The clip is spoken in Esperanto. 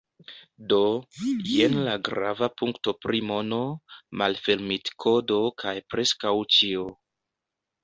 Do, jen la grava punkto pri mono, malfermitkodo kaj preskaŭ ĉio